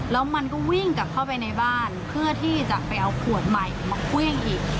แล้วมันก็วิ่งกลับเข้าไปในบ้านเพื่อที่จะไปเอาขวดใหม่มาเครื่องอีก